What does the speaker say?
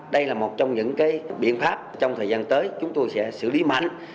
đây là một trong những biện pháp trong thời gian tới chúng tôi sẽ xử lý mạnh